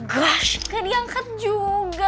gosh ga diangkat juga